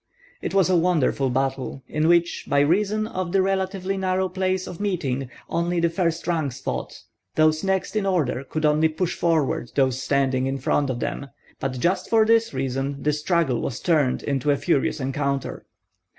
It was a wonderful battle, in which, by reason of the relatively narrow place of meeting, only the first ranks fought, those next in order could only push forward those standing in front of them; but just for this reason the struggle was turned into a furious encounter.